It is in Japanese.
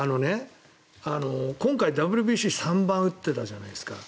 今回、ＷＢＣ３番打ってたじゃないですか。